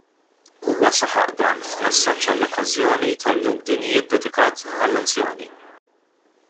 Huwa saħaq dan f'messaġġ għall-okkażjoni tal-Jum Dinji ddedikat għall-anzjani.